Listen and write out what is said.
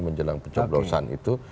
menjelang penceblosan itu